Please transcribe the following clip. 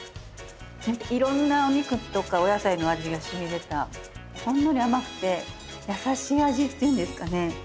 いろんなお肉とかお野菜の味がしみ出たほんのり甘くて優しい味っていうんですかね。